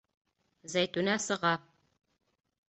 Зәйтүнә сыга.